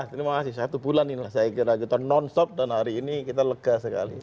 terima kasih satu bulan inilah saya kira kita non stop dan hari ini kita lega sekali